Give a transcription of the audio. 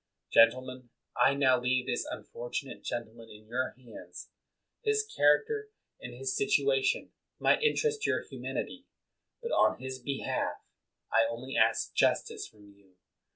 Gentlemen, I now leave this unfortunate gen tleman in your hands. His character and his situation might interest your humanity; but, on his behalf, I only ask justice from you.